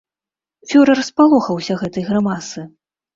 Фюрэр спалохаўся гэтай грымасы.